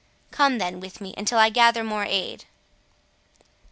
Come then with me, until I gather more aid."